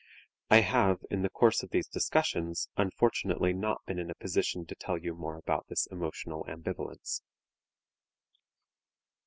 I have, in the course of these discussions, unfortunately not been in a position to tell you more about this emotional ambivalence.